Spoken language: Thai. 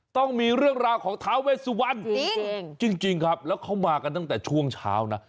ต้องมีเรื่องราวของท้าเวสวันจริงครับแล้วเขามากันตั้งแต่ช่วงเช้านะ